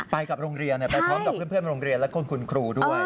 ไปกับโรงเรียนไปพร้อมกับเพื่อนโรงเรียนและคุณครูด้วย